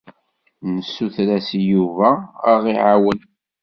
Nessuter-as i Yuba ad aɣ-iɛawen.